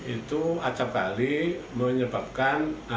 itu atap balik menyebabkan